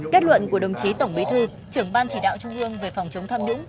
kết luận của đồng chí tổng bí thư trưởng ban chỉ đạo trung ương về phòng chống tham nhũng